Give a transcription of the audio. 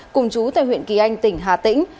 cùng chú tại huyện kỳ anh tỉnh hà tĩnh